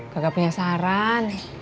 kagak punya saran